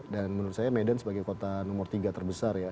dan menurut saya medan sebagai kota nomor tiga terbesar ya